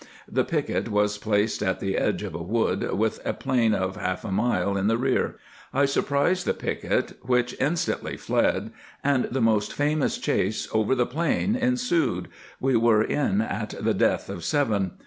The Picq' was placed at the edge of a wood with a plain of half an mile in the rear, — I surprised the Picq' which instant ly fled' & the most famous chase over the plain ensued — we were in at the death of seven.